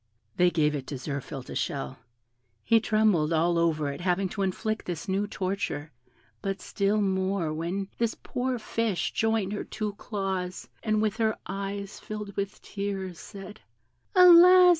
They gave it to Zirphil to shell; he trembled all over at having to inflict this new torture, but still more when this poor fish joined her two claws, and, with her eyes filled with tears, said, "Alas!